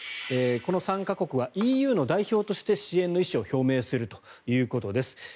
この３か国はＥＵの代表として支援の意思を表明するということです。